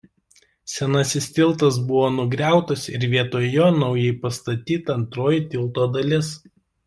Senasis tiltas buvo nugriautas ir vietoj jo naujai pastatyta antroji tilto dalis.